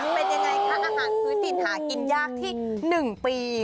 เป็นยังไงคะอาหารพื้นถิ่นหากินยากที่๑ปี